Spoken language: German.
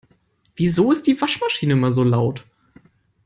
Wieso ist die Waschmaschine immer so laut?